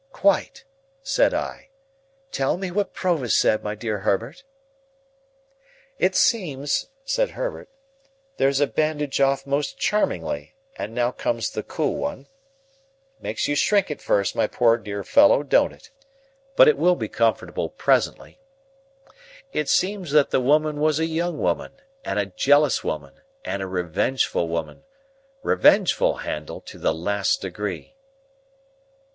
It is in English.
"Quite," said I. "Tell me what Provis said, my dear Herbert." "It seems," said Herbert, "—there's a bandage off most charmingly, and now comes the cool one,—makes you shrink at first, my poor dear fellow, don't it? but it will be comfortable presently,—it seems that the woman was a young woman, and a jealous woman, and a revengeful woman; revengeful, Handel, to the last degree."